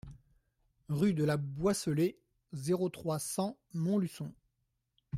Rue de la Boisselée, zéro trois, cent Montluçon